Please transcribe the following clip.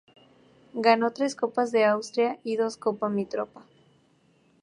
Ganó tres Copa de Austria y dos Copa Mitropa.